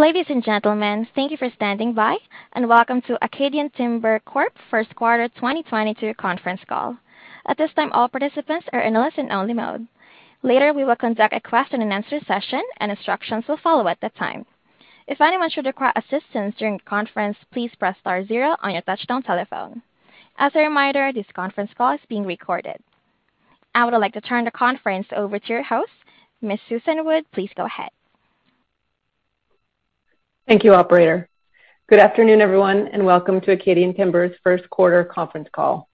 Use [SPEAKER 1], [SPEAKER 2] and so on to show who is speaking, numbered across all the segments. [SPEAKER 1] Ladies and gentlemen, thank you for standing by and welcome to Acadian Timber Corp. first quarter 2022 conference call. At this time, all participants are in a listen-only mode. Later, we will conduct a question-and-answer session, and instructions will follow at the time. If anyone should require assistance during the conference, please press star zero on your touchtone telephone. As a reminder, this conference call is being recorded. I would like to turn the conference over to your host, Ms. Susan Wood. Please go ahead.
[SPEAKER 2] Thank you, operator. Good afternoon, everyone, and welcome to Acadian Timber's first quarter conference call.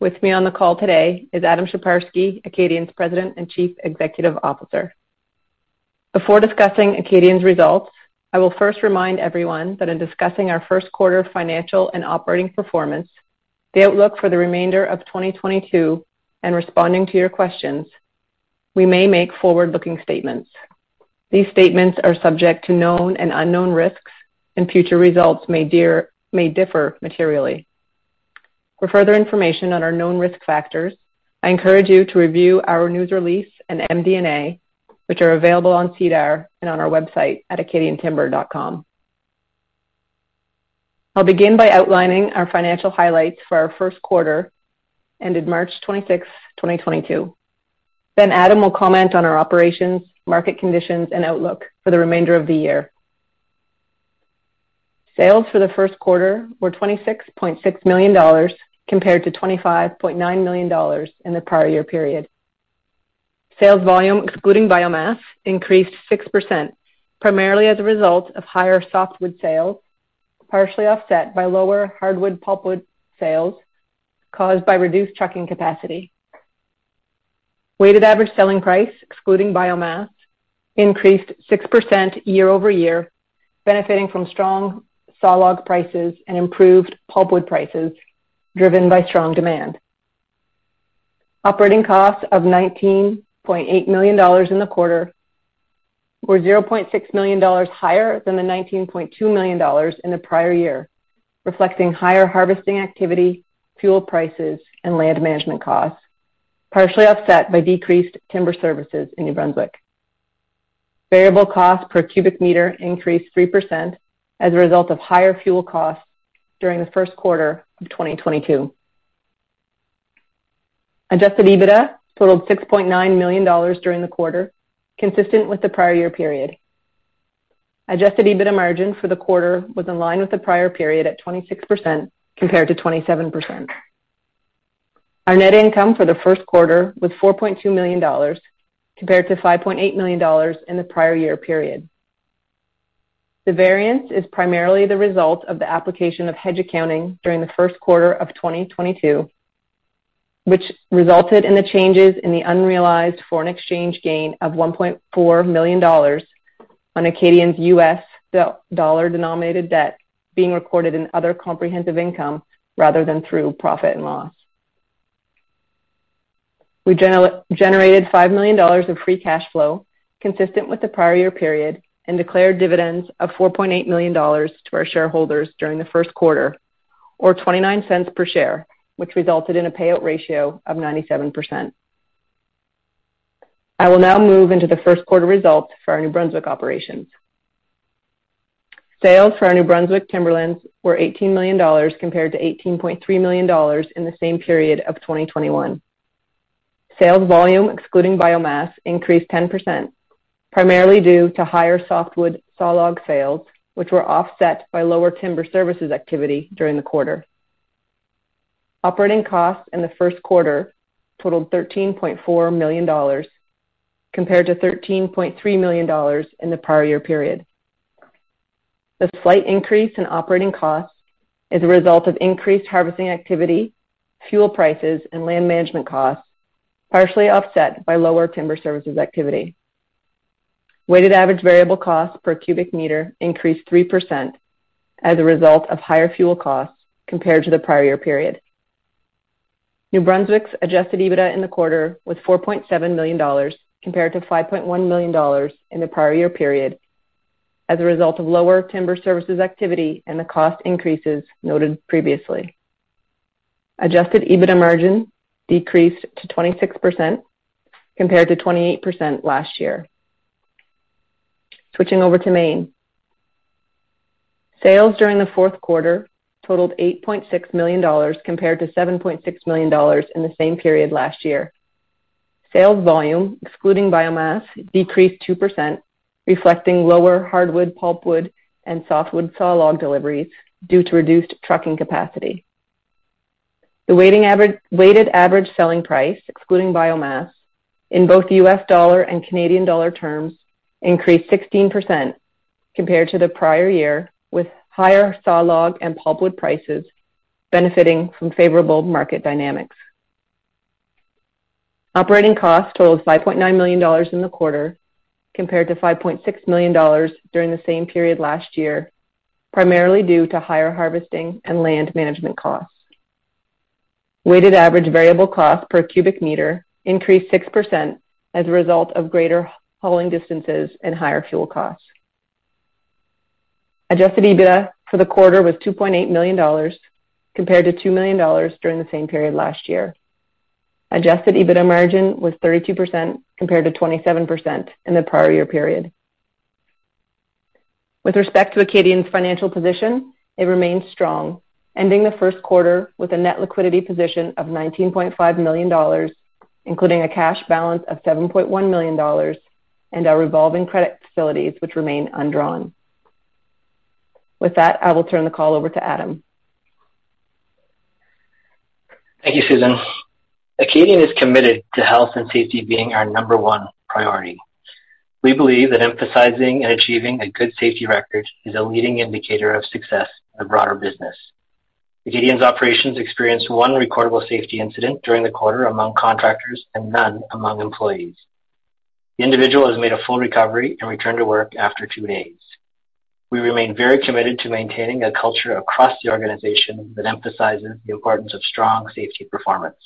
[SPEAKER 2] With me on the call today is Adam Sheparski, Acadian's President and Chief Executive Officer. Before discussing Acadian's results, I will first remind everyone that in discussing our first quarter financial and operating performance, the outlook for the remainder of 2022 and responding to your questions, we may make forward-looking statements. These statements are subject to known and unknown risks, and future results may differ materially. For further information on our known risk factors, I encourage you to review our news release and MD&A, which are available on SEDAR and on our website at acadiantimber.com. I'll begin by outlining our financial highlights for our first quarter, ended March 26, 2022. Then Adam will comment on our operations, market conditions, and outlook for the remainder of the year. Sales for the first quarter were 26.6 million dollars compared to 25.9 million dollars in the prior year period. Sales volume, excluding biomass, increased 6%, primarily as a result of higher softwood sales, partially offset by lower hardwood pulpwood sales caused by reduced trucking capacity. Weighted average selling price, excluding biomass, increased 6% year-over-year, benefiting from strong sawlog prices and improved pulpwood prices driven by strong demand. Operating costs of 19.8 million dollars in the quarter were 0.6 million dollars higher than the 19.2 million dollars in the prior year, reflecting higher harvesting activity, fuel prices, and land management costs, partially offset by decreased timber services in New Brunswick. Variable costs per cubic meter increased 3% as a result of higher fuel costs during the first quarter of 2022. Adjusted EBITDA totaled 6.9 million dollars during the quarter, consistent with the prior year period. Adjusted EBITDA margin for the quarter was in line with the prior period at 26% compared to 27%. Our net income for the first quarter was 4.2 million dollars compared to 5.8 million dollars in the prior year period. The variance is primarily the result of the application of hedge accounting during the first quarter of 2022, which resulted in the changes in the unrealized foreign exchange gain of $1.4 million on Acadian's U.S. dollar-denominated debt being recorded in other comprehensive income rather than through profit and loss. We generated $5 million of free cash flow consistent with the prior year period and declared dividends of $4.8 million to our shareholders during the first quarter of $0.29 Per share, which resulted in a payout ratio of 97%. I will now move into the first quarter results for our New Brunswick operations. Sales for our New Brunswick Timberlands were $18 million compared to $18.3 million in the same period of 2021. Sales volume, excluding biomass, increased 10%, primarily due to higher softwood sawlogs sales, which were offset by lower timber services activity during the quarter. Operating costs in the first quarter totaled $13.4 million compared to $13.3 million in the prior year period. The slight increase in operating costs is a result of increased harvesting activity, fuel prices, and land management costs, partially offset by lower timber services activity. Weighted average variable cost per cubic meter increased 3% as a result of higher fuel costs compared to the prior year period. New Brunswick's adjusted EBITDA in the quarter was 4.7 million dollars compared to 5.1 million dollars in the prior year period as a result of lower timber services activity and the cost increases noted previously. Adjusted EBITDA margin decreased to 26% compared to 28% last year. Switching over to Maine. Sales during the fourth quarter totaled 8.6 million dollars compared to 7.6 million dollars in the same period last year. Sales volume, excluding biomass, decreased 2%, reflecting lower hardwood pulpwood and softwood sawlogs deliveries due to reduced trucking capacity. The weighted average selling price, excluding biomass, in both U.S, dollar and Canadian dollar terms, increased 16% compared to the prior year, with higher sawlog and pulpwood prices benefiting from favorable market dynamics. Operating costs totaled 5.9 million dollars in the quarter, compared to 5.6 million dollars during the same period last year, primarily due to higher harvesting and land management costs. Weighted average variable cost per cubic meter increased 6% as a result of greater hauling distances and higher fuel costs. Adjusted EBITDA for the quarter was 2.8 million dollars, compared to 2 million dollars during the same period last year. Adjusted EBITDA margin was 32% compared to 27% in the prior year period. With respect to Acadian's financial position, it remains strong, ending the first quarter with a net liquidity position of 19.5 million dollars, including a cash balance of 7.1 million dollars and our revolving credit facilities, which remain undrawn. With that, I will turn the call over to Adam.
[SPEAKER 3] Thank you, Susan. Acadian is committed to health and safety being our number one priority. We believe that emphasizing and achieving a good safety record is a leading indicator of success in the broader business. Acadian's operations experienced one recordable safety incident during the quarter among contractors and none among employees. The individual has made a full recovery and returned to work after two days. We remain very committed to maintaining a culture across the organization that emphasizes the importance of strong safety performance.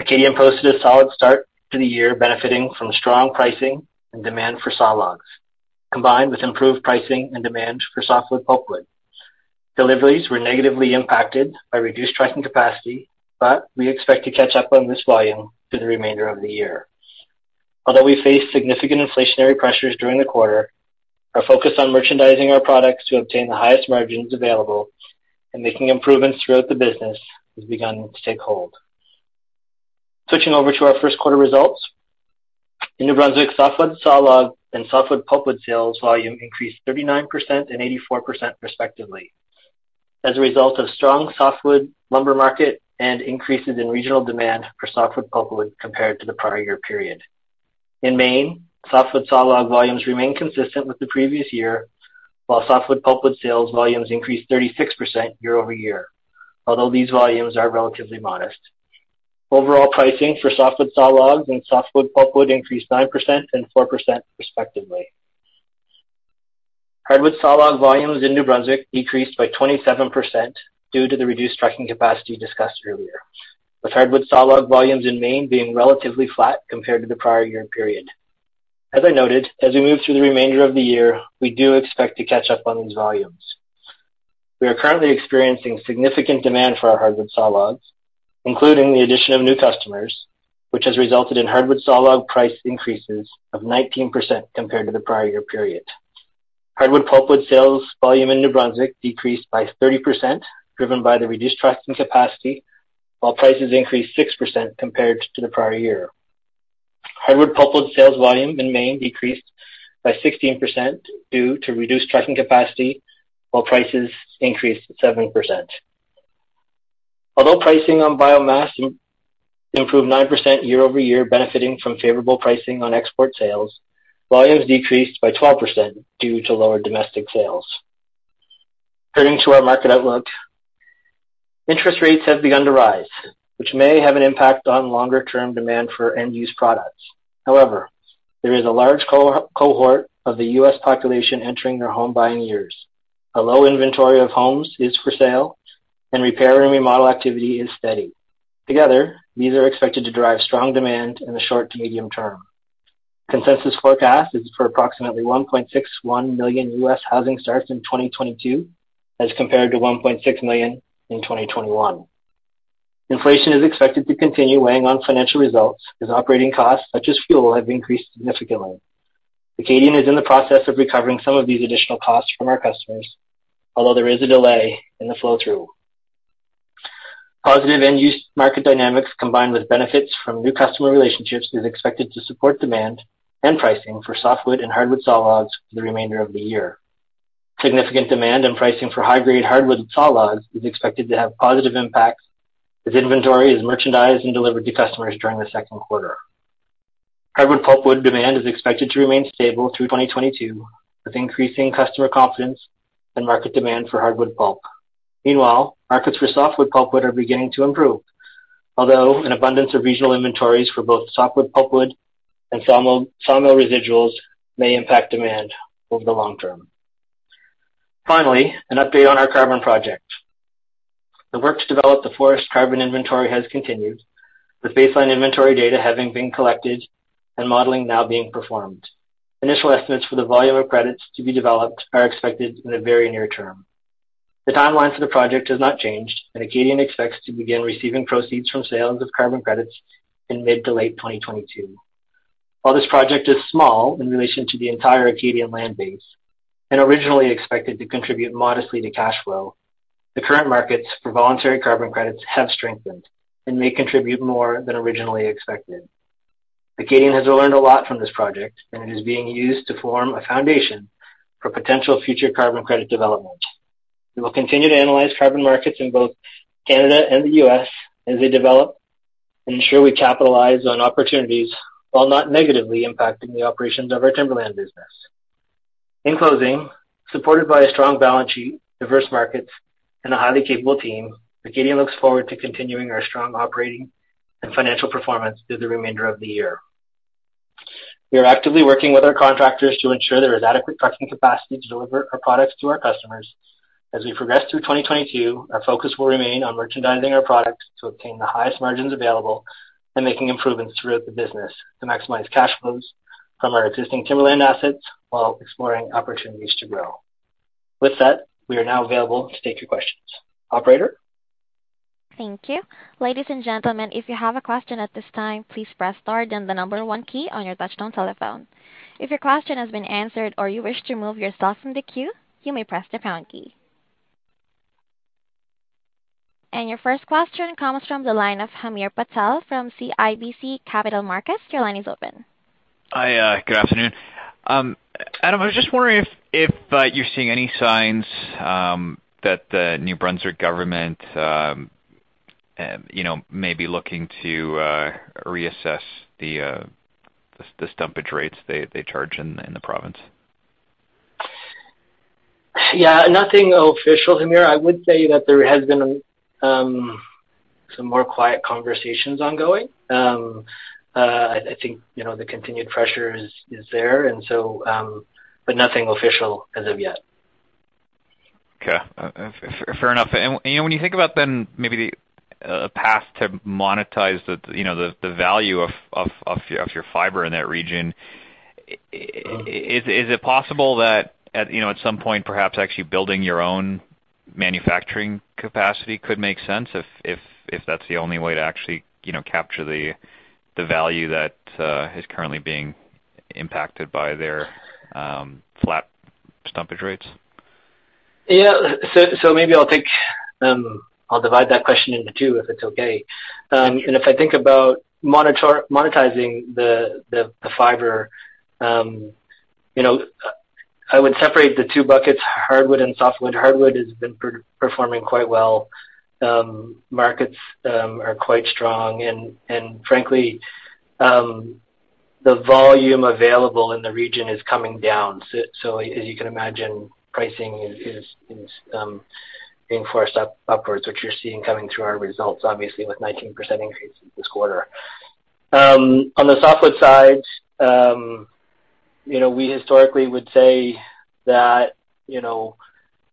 [SPEAKER 3] Acadian posted a solid start to the year benefiting from strong pricing and demand for sawlogs, combined with improved pricing and demand for softwood pulpwood. Deliveries were negatively impacted by reduced trucking capacity, but we expect to catch up on this volume through the remainder of the year. Although we face significant inflationary pressures during the quarter, our focus on merchandising our products to obtain the highest margins available and making improvements throughout the business has begun to take hold. Switching over to our first quarter results. In New Brunswick, softwood sawlogs and softwood pulpwood sales volume increased 39% and 84% respectively as a result of strong softwood lumber market and increases in regional demand for softwood pulpwood compared to the prior year period. In Maine, softwood sawlogs volumes remain consistent with the previous year, while softwood pulpwood sales volumes increased 36% year-over-year, although these volumes are relatively modest. Overall pricing for softwood sawlogs and softwood pulpwood increased 9% and 4% respectively. Hardwood sawlogs volumes in New Brunswick decreased by 27% due to the reduced trucking capacity discussed earlier, with hardwood sawlogs volumes in Maine being relatively flat compared to the prior year period. As I noted, as we move through the remainder of the year, we do expect to catch up on these volumes. We are currently experiencing significant demand for our hardwood sawlogs, including the addition of new customers, which has resulted in hardwood sawlogs price increases of 19% compared to the prior year period. Hardwood pulpwood sales volume in New Brunswick decreased by 30%, driven by the reduced trucking capacity, while prices increased 6% compared to the prior year. Hardwood pulpwood sales volume in Maine decreased by 16% due to reduced trucking capacity, while prices increased 7%. Although pricing on biomass improved 9% year-over-year benefiting from favorable pricing on export sales, volumes decreased by 12% due to lower domestic sales. Turning to our market outlook. Interest rates have begun to rise, which may have an impact on longer-term demand for end-use products. However, there is a large cohort of the U.S. population entering their home buying years. A low inventory of homes is for sale and repair and remodel activity is steady. Together, these are expected to drive strong demand in the short to medium term. Consensus forecast is for approximately 1.61 million U.S. housing starts in 2022 as compared to 1.6 million in 2021. Inflation is expected to continue weighing on financial results as operating costs such as fuel have increased significantly. Acadian is in the process of recovering some of these additional costs from our customers, although there is a delay in the flow through. Positive end-use market dynamics combined with benefits from new customer relationships is expected to support demand and pricing for softwood and hardwood saw logs for the remainder of the year. Significant demand and pricing for high-grade hardwood saw logs is expected to have positive impacts as inventory is merchandised and delivered to customers during the second quarter. Hardwood pulpwood demand is expected to remain stable through 2022, with increasing customer confidence and market demand for hardwood pulp. Meanwhile, markets for softwood pulpwood are beginning to improve, although an abundance of regional inventories for both softwood pulpwood and sawmill residuals may impact demand over the long term. Finally, an update on our carbon project. The work to develop the forest carbon inventory has continued, with baseline inventory data having been collected and modeling now being performed. Initial estimates for the volume of credits to be developed are expected in the very near term. The timelines for the project has not changed, and Acadian expects to begin receiving proceeds from sales of carbon credits in mid- to late 2022. While this project is small in relation to the entire Acadian land base and originally expected to contribute modestly to cash flow, the current markets for voluntary carbon credits have strengthened and may contribute more than originally expected. Acadian has learned a lot from this project, and it is being used to form a foundation for potential future carbon credit development. We will continue to analyze carbon markets in both Canada and the U.S. as they develop and ensure we capitalize on opportunities while not negatively impacting the operations of our timberland business. In closing, supported by a strong balance sheet, diverse markets, and a highly capable team, Acadian looks forward to continuing our strong operating and financial performance through the remainder of the year. We are actively working with our contractors to ensure there is adequate trucking capacity to deliver our products to our customers. As we progress through 2022, our focus will remain on merchandising our products to obtain the highest margins available and making improvements throughout the business to maximize cash flows from our existing timberland assets while exploring opportunities to grow. With that, we are now available to take your questions. Operator?
[SPEAKER 1] Thank you. Ladies and gentlemen, if you have a question at this time, please press star then the number one key on your touchtone telephone. If your question has been answered or you wish to remove yourself from the queue, you may press the pound key. Your first question comes from the line of Hamir Patel from CIBC Capital Markets. Your line is open.
[SPEAKER 4] Hi, good afternoon. Adam, I was just wondering if you're seeing any signs that the New Brunswick government, you know, may be looking to reassess the stumpage rates they charge in the province.
[SPEAKER 3] Yeah, nothing official, Hamir. I would say that there has been some more quiet conversations ongoing. I think, you know, the continued pressure is there, and so but nothing official as of yet.
[SPEAKER 4] Okay. Fair enough. When you think about then maybe a path to monetize the, you know, the value of your fiber in that region, is it possible that at, you know, at some point perhaps actually building your own manufacturing capacity could make sense if that's the only way to actually, you know, capture the value that is currently being impacted by their flat stumpage rates?
[SPEAKER 3] Yeah. Maybe I'll take, I'll divide that question into two, if it's okay. If I think about monetizing the fiber, you know, I would separate the two buckets, hardwood and softwood. Hardwood has been performing quite well. Markets are quite strong and frankly the volume available in the region is coming down. As you can imagine, pricing is being forced upwards, which you're seeing coming through our results obviously with 19% increase this quarter. On the softwood side, you know, we historically would say that you know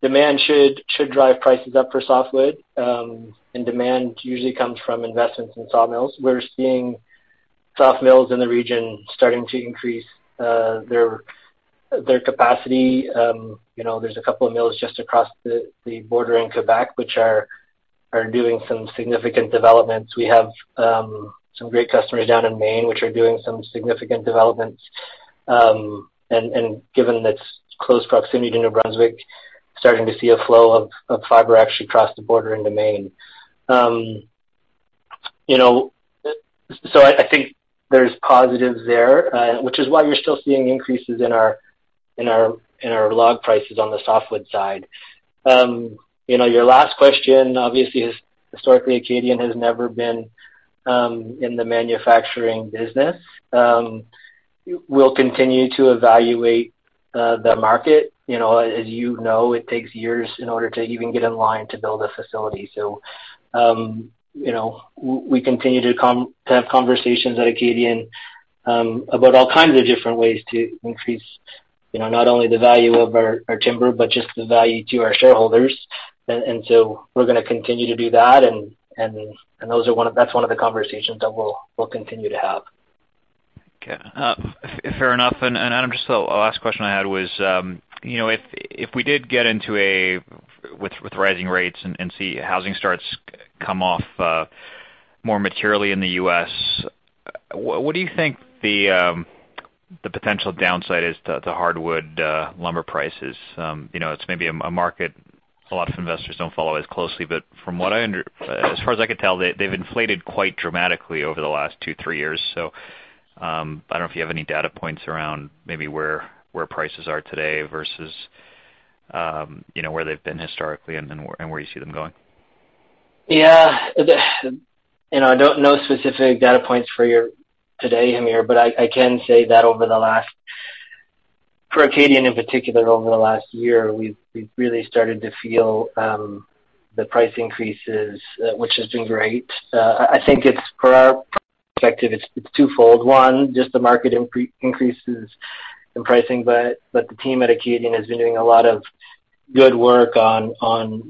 [SPEAKER 3] demand should drive prices up for softwood and demand usually comes from investments in sawmills. We're seeing sawmills in the region starting to increase their capacity. You know, there's a couple of mills just across the border in Quebec, which are doing some significant developments. We have some great customers down in Maine which are doing some significant developments. Given its close proximity to New Brunswick, starting to see a flow of fiber actually cross the border into Maine. You know, I think there's positives there, which is why you're still seeing increases in our log prices on the softwood side. You know, your last question obviously is historically Acadian has never been in the manufacturing business. We'll continue to evaluate the market. You know, as you know, it takes years in order to even get in line to build a facility. You know, we continue to com... to have conversations at Acadian about all kinds of different ways to increase, you know, not only the value of our timber, but just the value to our shareholders. We're gonna continue to do that, and that's one of the conversations that we'll continue to have.
[SPEAKER 4] Okay. Fair enough. Adam, just the last question I had was, you know, if we did get into with rising rates and see housing starts come off more materially in the U.S., what do you think the potential downside is to hardwood lumber prices? You know, it's maybe a market a lot of investors don't follow as closely, but as far as I can tell, they've inflated quite dramatically over the last two, three years. I don't know if you have any data points around maybe where prices are today versus, you know, where they've been historically and where you see them going.
[SPEAKER 3] Yeah. You know, I don't know specific data points for your today, Hamir, but I can say that over the last year, for Acadian in particular, we've really started to feel the price increases, which has been great. I think it's from our perspective, it's twofold. One, just the market increases in pricing, but the team at Acadian has been doing a lot of good work on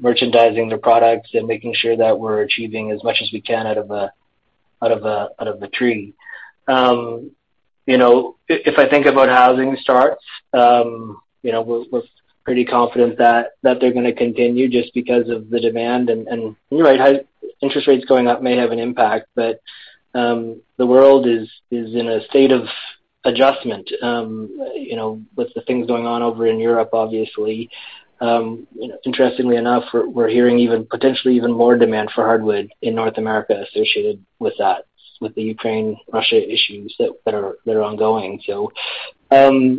[SPEAKER 3] merchandising the products and making sure that we're achieving as much as we can out of a tree. You know, if I think about housing starts, you know, we're pretty confident that they're gonna continue just because of the demand. You're right, high interest rates going up may have an impact, but the world is in a state of adjustment, you know, with the things going on over in Europe, obviously. Interestingly enough, we're hearing even potentially even more demand for hardwood in North America associated with that, with the Ukraine, Russia issues that are ongoing. You know,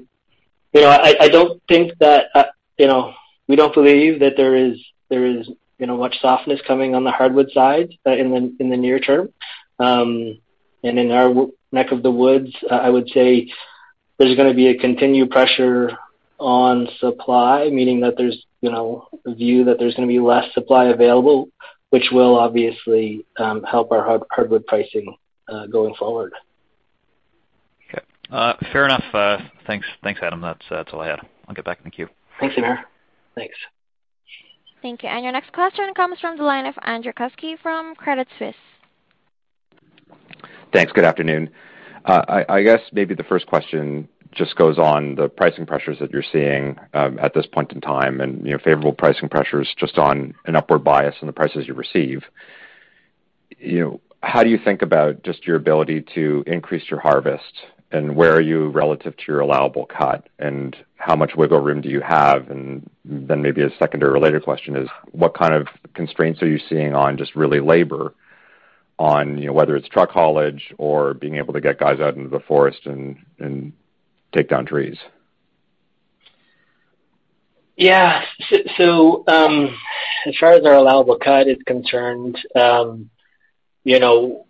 [SPEAKER 3] I don't think that, you know, we don't believe that there is, you know, much softness coming on the hardwood side, in the near term. In our neck of the woods, I would say there's gonna be a continued pressure on supply, meaning that there's, you know, a view that there's gonna be less supply available, which will obviously help our hardwood pricing going forward.
[SPEAKER 4] Okay. Fair enough. Thanks. Thanks, Adam. That's all I had. I'll get back in the queue.
[SPEAKER 3] Thanks, Hamir. Thanks.
[SPEAKER 1] Thank you. Your next question comes from the line of Andrew Kuske from Credit Suisse.
[SPEAKER 5] Thanks. Good afternoon. I guess maybe the first question just goes on the pricing pressures that you're seeing at this point in time and, you know, favorable pricing pressures just on an upward bias in the prices you receive. You know, how do you think about just your ability to increase your harvest, and where are you relative to your allowable cut, and how much wiggle room do you have? Then maybe a secondary related question is what kind of constraints are you seeing on just really labor on, you know, whether it's truck haulage or being able to get guys out into the forest and take down trees?
[SPEAKER 3] Yeah, as far as our allowable cut is concerned, you know,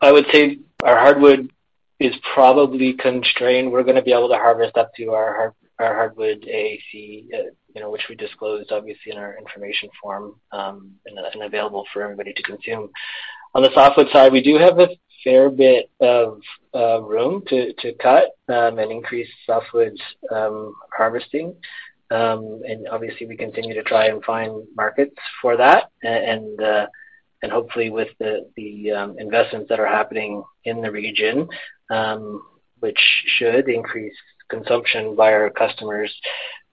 [SPEAKER 3] I would say our hardwood is probably constrained. We're gonna be able to harvest up to our hardwood AAC, you know, which we disclosed obviously in our information form, and available for everybody to consume. On the softwood side, we do have a fair bit of room to cut and increase softwoods harvesting. And obviously we continue to try and find markets for that. And hopefully with the investments that are happening in the region, which should increase consumption by our customers,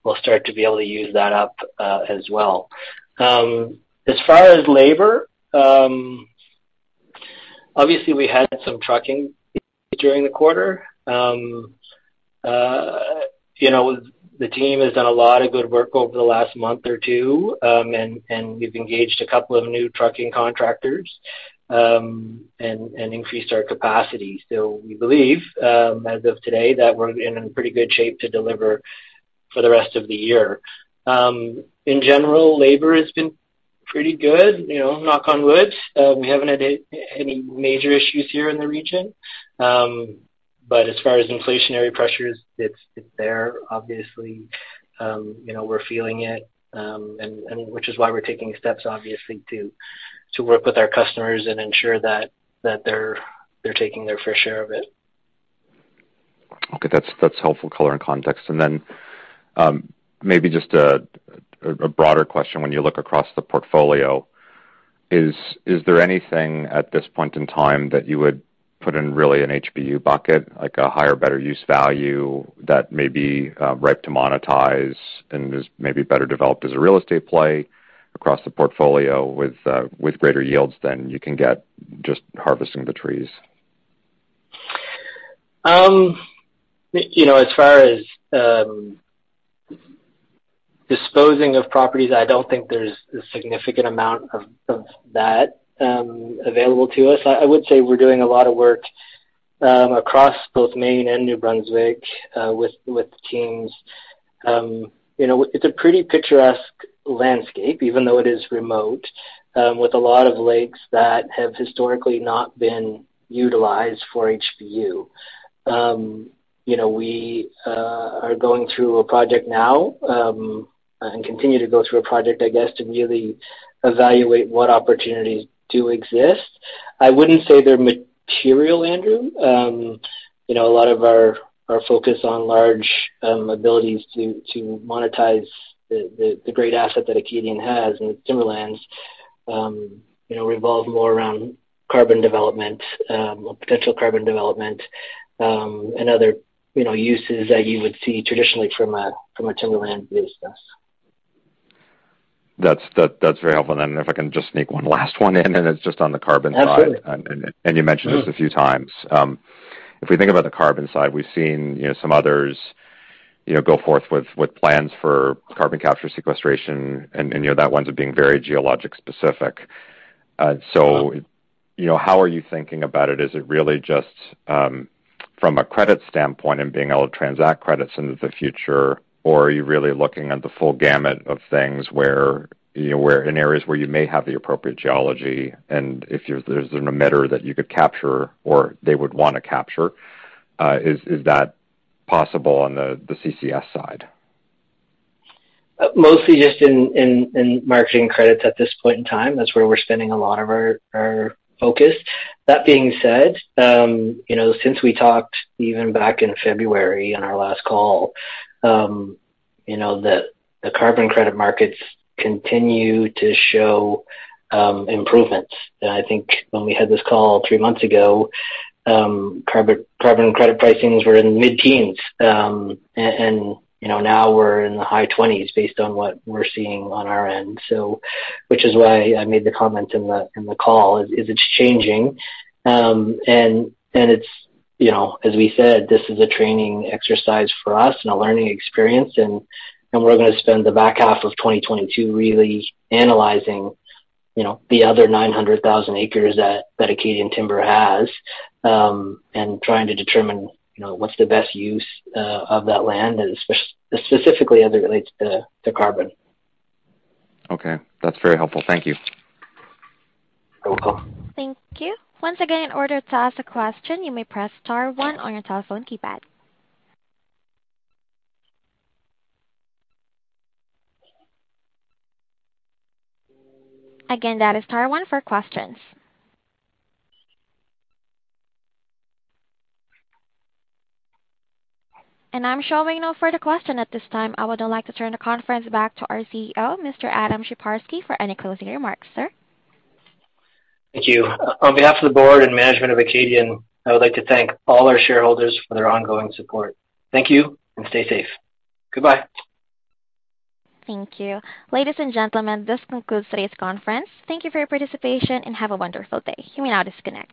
[SPEAKER 3] we'll start to be able to use that up as well. As far as labor, obviously we had some trucking during the quarter. You know, the team has done a lot of good work over the last month or two, and we've engaged a couple of new trucking contractors, and increased our capacity. We believe, as of today, that we're in a pretty good shape to deliver for the rest of the year. In general, labor has been pretty good. You know, knock on wood. We haven't had any major issues here in the region. As far as inflationary pressures, it's there obviously. You know, we're feeling it, and which is why we're taking steps obviously to work with our customers and ensure that they're taking their fair share of it.
[SPEAKER 5] Okay. That's helpful color and context. Then, maybe just a broader question when you look across the portfolio. Is there anything at this point in time that you would put in really an HBU bucket, like a higher better use value that may be ripe to monetize and is maybe better developed as a real estate play across the portfolio with greater yields than you can get just harvesting the trees?
[SPEAKER 3] You know, as far as disposing of properties, I don't think there's a significant amount of that available to us. I would say we're doing a lot of work across both Maine and New Brunswick with the teams. You know, it's a pretty picturesque landscape, even though it is remote, with a lot of lakes that have historically not been utilized for HBU. You know, we are going through a project now and continue to go through a project, I guess, to really evaluate what opportunities do exist. I wouldn't say they're material, Andrew. You know, a lot of our focus on large HBU to monetize the great asset that Acadian has in timberlands, you know, revolve more around carbon development, potential carbon development, and other, you know, uses that you would see traditionally from a timberland business.
[SPEAKER 5] That's very helpful. If I can just sneak one last one in, and it's just on the carbon side.
[SPEAKER 3] Absolutely.
[SPEAKER 5] You mentioned this a few times. If we think about the carbon side, we've seen, you know, some others, you know, go forth with plans for carbon capture sequestration and, you know, that winds up being very geologic specific. So, you know, how are you thinking about it? Is it really just from a credit standpoint and being able to transact credits into the future, or are you really looking at the full gamut of things where, you know, where in areas where you may have the appropriate geology and there's an emitter that you could capture or they would wanna capture, is that possible on the CCS side?
[SPEAKER 3] Mostly just in marketing credits at this point in time. That's where we're spending a lot of our focus. That being said, you know, since we talked even back in February on our last call, you know, the carbon credit markets continue to show improvements. I think when we had this call three months ago, carbon credit pricings were in mid-teens. You know, now we're in the high twenties based on what we're seeing on our end. Which is why I made the comment in the call, it's changing. It's, you know, as we said, this is a training exercise for us and a learning experience and we're gonna spend the back half of 2022 really analyzing, you know, the other 900,000 acres that Acadian Timber has and trying to determine, you know, what's the best use of that land and specifically as it relates to carbon.
[SPEAKER 5] Okay. That's very helpful. Thank you.
[SPEAKER 3] You're welcome.
[SPEAKER 1] Thank you. Once again, in order to ask a question, you may press star one on your telephone keypad. Again, that is star one for questions. I'm showing no further question at this time. I would now like to turn the conference back to our CEO, Mr. Adam Sheparski, for any closing remarks, sir.
[SPEAKER 3] Thank you. On behalf of The Board and management of Acadian, I would like to thank all our shareholders for their ongoing support. Thank you, and stay safe. Goodbye.
[SPEAKER 1] Thank you. Ladies and gentlemen, this concludes today's conference. Thank you for your participation and have a wonderful day. You may now disconnect.